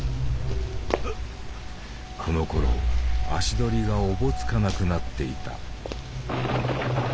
このころ足取りがおぼつかなくなっていた。